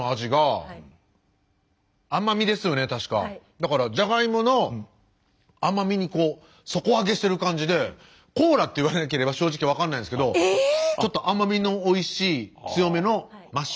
だからじゃがいもの甘みにこう底上げしてる感じでコーラって言われなければ正直分かんないんですけどちょっと甘みのおいしい強めのマッシュポテトって感じですね。